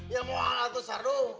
ya mau angkat tuh sardung